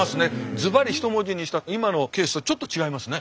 ずばり一文字にした今のケースとはちょっと違いますね。